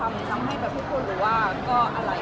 อย่างนี้ก็จะทำให้ทุกคนรู้ว่าอะไรเป็นอะไร